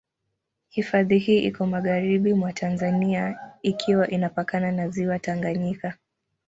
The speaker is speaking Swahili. Hifadhi hii iko magharibi mwa Tanzania ikiwa inapakana na Ziwa Tanganyika.